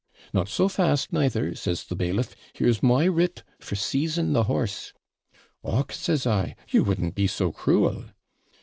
'"Not so fast, neither," says the bailiff "here's my writ for seizing the horse." '"Och," says I, "you wouldn't be so cruel."'